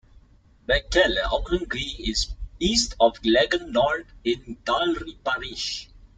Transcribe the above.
Meikle Auchengree is east of Glengarnock in Dalry parish.